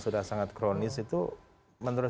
sudah sangat kronis itu menurut